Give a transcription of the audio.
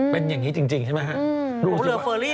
เป็นอย่างนี้จริงใช่ไหมคะ